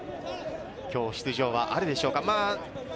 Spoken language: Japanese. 今日、出場はあるでしょうか？